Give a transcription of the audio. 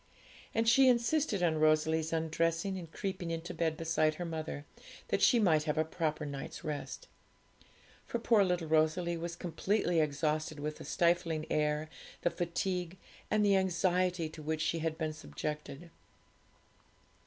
And she insisted on Rosalie's undressing and creeping into bed beside her mother, that she might have a proper night's rest. For poor little Rosalie was completely exhausted with the stifling air, the fatigue, and the anxiety to which she had been subjected.